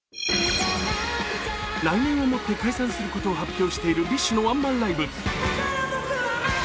来年をもって解散することを発表しているＢｉＳＨのワンマンライブ。